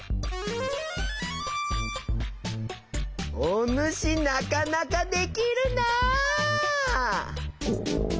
おぬしなかなかできるな！